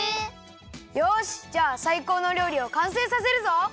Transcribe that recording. よしじゃあさいこうのりょうりをかんせいさせるぞ！